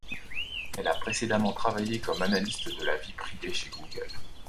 Elle a précédemment travaillé comme analyste de la vie privée chez Google.